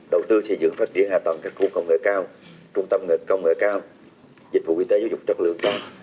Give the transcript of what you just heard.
đầu tư xây dựng phát triển hạ tầm các khu công nghệ cao trung tâm công nghệ cao dịch vụ y tế ưu dục chất lượng cao